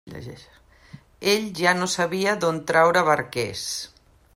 Ell ja no sabia d'on traure barquers.